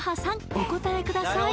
お答えください